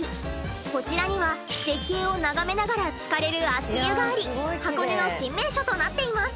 こちらには絶景を眺めながらつかれる足湯があり箱根の新名所となっています。